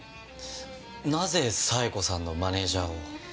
なぜ冴子さんのマネジャーを？